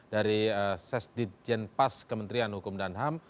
dari sesdikjen pas kementerian hukum dan ham